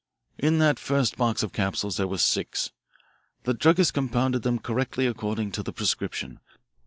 In that first box of capsules there were six. The druggist compounded them correctly according to the prescription.